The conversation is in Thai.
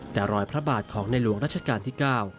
แต่ร้อยพระบาทของนายลวงรัชกาลที่เก้า